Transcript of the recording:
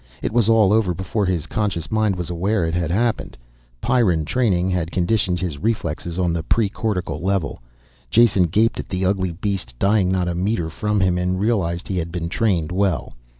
It was all over before his conscious mind was aware it had happened. Pyrran training had conditioned his reflexes on the pre cortical level. Jason gaped at the ugly beast dying not a meter from him and realized he had been trained well.